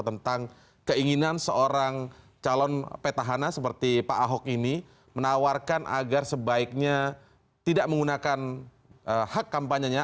tentang keinginan seorang calon petahana seperti pak ahok ini menawarkan agar sebaiknya tidak menggunakan hak kampanyenya